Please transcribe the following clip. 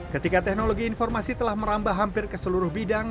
ketika teknologi informasi telah merambah hampir ke seluruh bidang